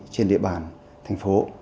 trên địa bàn thành phố